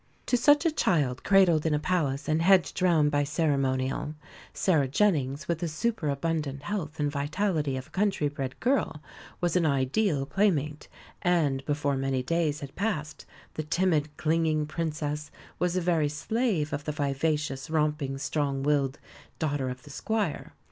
To such a child cradled in a palace and hedged round by ceremonial, Sarah Jennings, with the superabundant health and vitality of a country bred girl, was an ideal playmate; and before many days had passed the timid, clinging Princess was the very slave of the vivacious, romping, strong willed daughter of the squire.